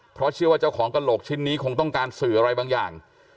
เพราะเชื่อว่าเจ้าของกระโหลกชิ้นนี้คงต้องการสื่ออะไรบางอย่าง